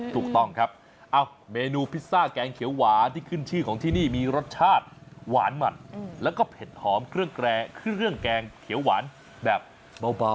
ถูกต้องครับเมนูพิซซ่าแกงเขียวหวานที่ขึ้นชื่อของที่นี่มีรสชาติหวานมันแล้วก็เผ็ดหอมเครื่องแกรเครื่องแกงเขียวหวานแบบเบา